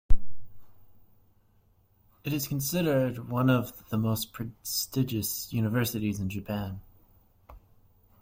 It is considered one of the most prestigious universities in Japan.